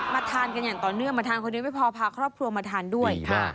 ทานกันอย่างต่อเนื่องมาทานคนเดียวไม่พอพาครอบครัวมาทานด้วย